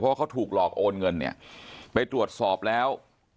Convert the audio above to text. เพราะเขาถูกหลอกโอนเงินเนี่ยไปตรวจสอบแล้ว